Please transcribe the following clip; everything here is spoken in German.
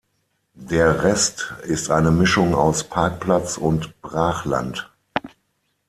Der Rest ist eine Mischung aus Parkplatz und Brachland.